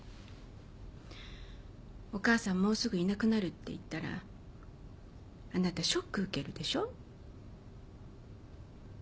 お母さんもうすぐいなくなるって言ったらあなたショック受けるでしょ